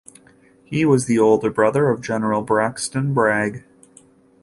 He was the older brother of General Braxton Bragg.